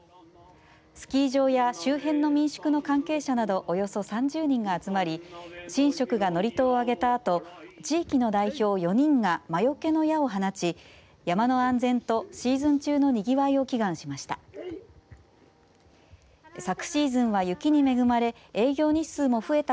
スキー場や周辺の民宿の関係者などおよそ３０人が集まり神職が祝詞をあげたあと地域の代表４人が魔よけの矢を放ち山の安全とシーズン中のにぎわいを祈願しました。